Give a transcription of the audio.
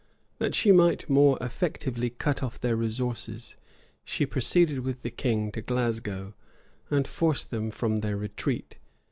That she might more effectually cut off their resources, she proceeded with the king to Glasgow, and forced them from their retreat.